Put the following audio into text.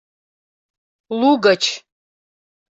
лугыч.